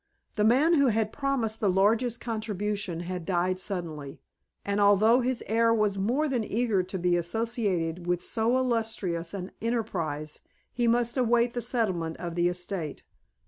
The man who had promised the largest contribution had died suddenly, and although his heir was more than eager to be associated with so illustrious an enterprise he must await the settlement of the estate.